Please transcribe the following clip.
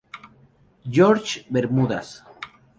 George, Bermudas.